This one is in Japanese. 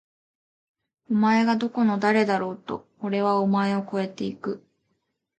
お前がどこの誰だろうと！！おれはお前を超えて行く！！